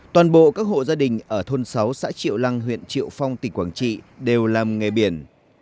toàn bộ các hộ gia đình ở thôn sáu xã triệu lăng huyện triệu phong tỉnh quảng trị đều làm nghề biển